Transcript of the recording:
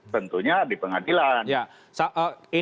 tentunya di pengadilan